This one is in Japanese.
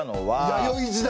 弥生時代！